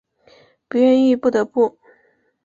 不愿意不得不